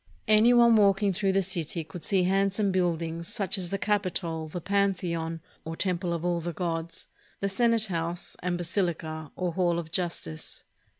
Any one walking through the city would see handsome buildings, such as the Capitol, the Pan theon, or temple of all the gods, the Senate house, and Basilica, or hall of justice.